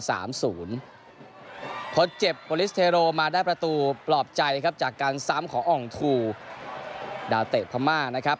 พอเจ็บโปรลิสเทโรมาได้ประตูปลอบใจครับจากการซ้ำของอ่องทูดาวเตะพม่านะครับ